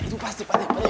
itu pasti pade